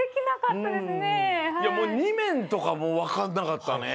もう２めんとかわかんなかったね。